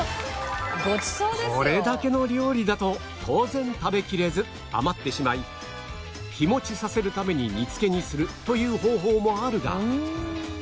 これだけの料理だと当然食べきれず余ってしまい日持ちさせるために煮付けにするという方法もあるが